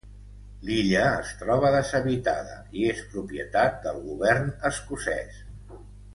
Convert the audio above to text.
L'illa es troba deshabitada i és propietat del Govern Escocès.